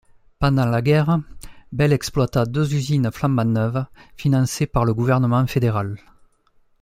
Pendant la guerre, Bell exploita deux usines flambant neuves, financées par le gouvernement fédéral.